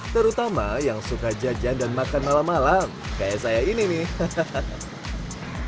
terutama yang suka jajan dan makan malam malam kayak saya ini nih hahaha